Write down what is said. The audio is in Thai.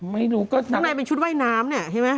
ไม่รู้ก็ข้างในเป็นชุดว่ายน้ำเนี่ยใช่ไหม